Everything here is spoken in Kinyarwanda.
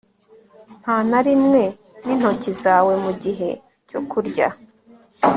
Nta na rimwe nintoki zawe mugihe cyo kurya